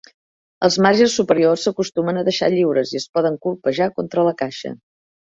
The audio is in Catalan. Els marges superiors s'acostumen a deixar lliures i es poden colpejar contra la caixa.